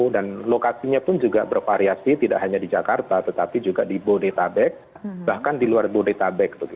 lokasinya pun juga bervariasi tidak hanya di jakarta tetapi juga di bodetabek bahkan di luar bodetabek